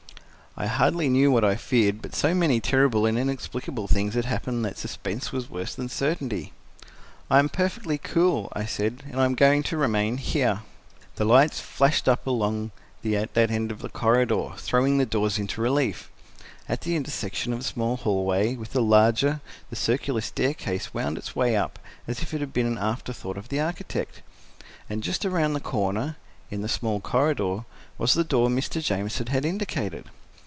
I hardly knew what I feared, but so many terrible and inexplicable things had happened that suspense was worse than certainty. "I am perfectly cool," I said, "and I am going to remain here." The lights flashed up along that end of the corridor, throwing the doors into relief. At the intersection of the small hallway with the larger, the circular staircase wound its way up, as if it had been an afterthought of the architect. And just around the corner, in the small corridor, was the door Mr. Jamieson had indicated.